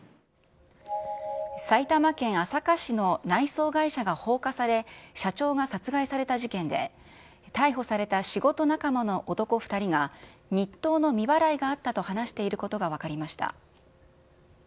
埼玉県朝霞市の内装会社が放火され、社長が殺害された事件で、逮捕された仕事仲間の男２人が、日当の未払いがあったと話していることが分かりました。